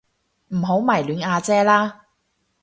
唔好迷戀阿姐啦